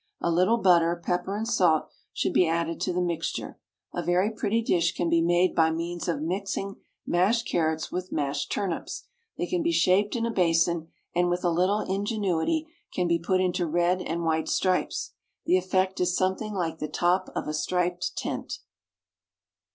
A little butter, pepper and salt should be added to the mixture. A very pretty dish can be made by means of mixing mashed carrots with mashed turnips. They can be shaped in a basin, and with a little ingenuity can be put into red and white stripes. The effect is something like the top of a striped tent.